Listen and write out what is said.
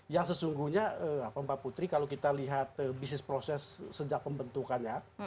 yang sesungguhnya mbak putri kalau kita lihat bisnis proses sejak pembentukannya